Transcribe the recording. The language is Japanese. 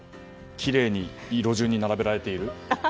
きれいに色順に並べられている。